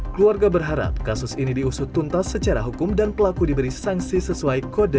keluarga berharap kasus ini diusut tuntas secara hukum dan pelaku diberi sanksi sesuai kode